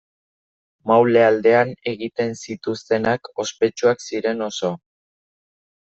Maule aldean egiten zituztenak ospetsuak ziren oso.